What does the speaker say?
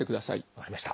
分かりました。